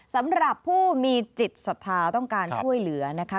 สำหรับผู้มีจิตศรัทธาต้องการช่วยเหลือนะคะ